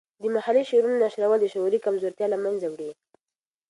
د محلي شعرونو نشرول د شعوري کمزورتیا له منځه وړي.